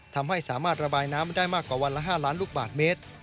ทำให้สามารถระบายน้ำได้มากกว่าวันละ๕ล้านลูกบาทเมตร